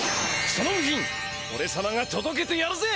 その部品おれさまがとどけてやるぜ！